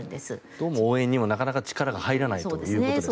どうも応援にもなかなか力が入らないということですね。